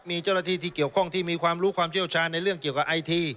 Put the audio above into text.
มีเจ้าหน้าที่ที่เกี่ยวข้องที่มีความรู้ความเชี่ยวชาญในเรื่องเกี่ยวกับไอที